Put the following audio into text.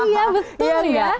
iya betul ya